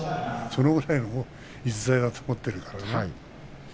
それぐらいの逸材だと思っていたから。